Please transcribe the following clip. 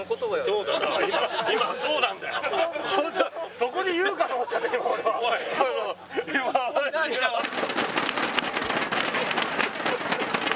そこで言うかと思っちゃった。